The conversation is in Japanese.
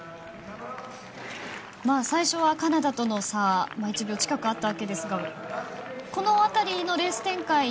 最初はカナダとの差が１秒近くあったわけですがこの辺りのレース展開